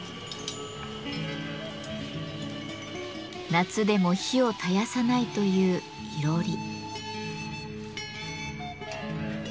夏でも火を絶やさないといういろり。